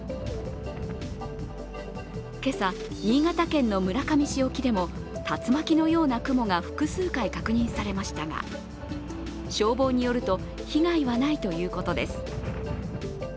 今朝、新潟県の村上市沖でも竜巻のような雲が複数回確認されましたが、消防によると、被害はないということです。